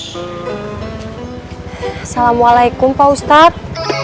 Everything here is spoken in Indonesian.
assalamualaikum pak ustadz